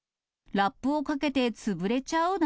ラップをかけて潰れちゃうな